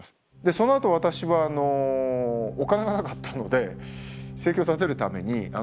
そのあと私はお金がなかったので生計を立てるためにガイドしてました。